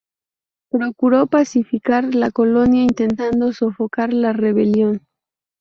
Procuró pacificar la colonia, intentando sofocar la rebelión.